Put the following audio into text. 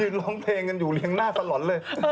ยืนร้องเพลงอยู่เรียงหน้าสะหร่อนเลย